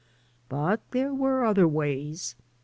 But there were other ways.